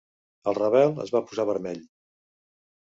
El Ravel es va posar vermell.